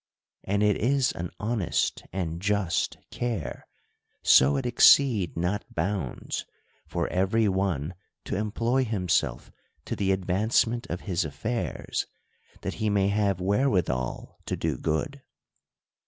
And it is an honest and just care, so it exceed not bounds, for every one to employ himself to the ad vancement of his affairs, that he may have w herewithal to do good.